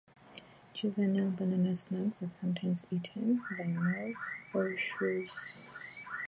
Juvenile banana slugs are sometimes eaten by moles or shrews.